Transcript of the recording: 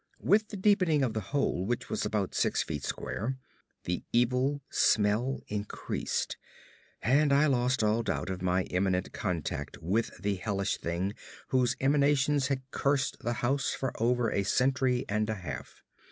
With the deepening of the hole, which was about six feet square, the evil smell increased; and I lost all doubt of my imminent contact with the hellish thing whose emanations had cursed the house for over a century and a half.